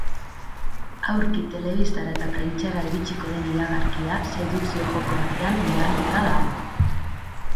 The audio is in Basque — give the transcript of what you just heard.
Aurki telebistara eta prentsara iritsiko den iragarkia, sedukzio joko batean oinarrituta dago.